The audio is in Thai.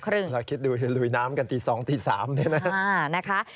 เราคิดดูลุยน้ำกันตี๒ตี๓เนี่ยนะ